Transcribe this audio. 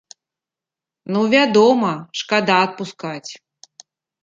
Ну, вядома шкада адпускаць.